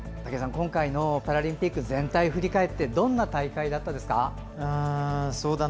今回のパラリンピック全体を振り返ってどんな大会でしたか？